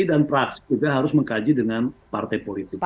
dan praksi juga harus mengkaji dengan partai politik